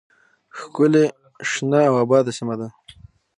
، ښکلې، شنه او آباده سیمه ده.